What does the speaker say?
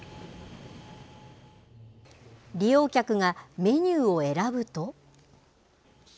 利用客がメニューを選ぶと。